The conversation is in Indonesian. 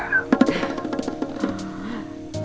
tuh tuh tuh